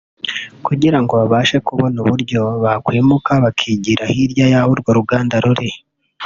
kugira ngo babashe kubona uburyo bakwimuka bakigira hirya yaho urwo ruganda ruri